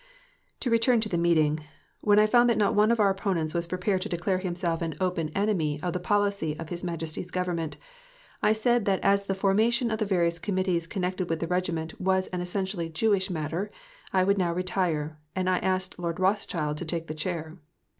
To return to the meeting: when I found that not one of our opponents was prepared to declare himself an open enemy of the policy of H.M.'s Government, I said that as the formation of the various Committees connected with the Regiment was an essentially Jewish matter I would now retire, and I asked Lord Rothschild to take the Chair.